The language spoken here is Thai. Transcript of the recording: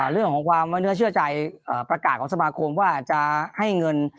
เรื่องของความไว้เนื้อเชื่อใจประกาศของสมาคมว่าจะให้เงิน